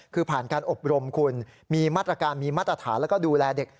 คือผ่านการอบรมคุณมีมาตรการมีมาตรฐานแล้วก็ดูแลเด็ก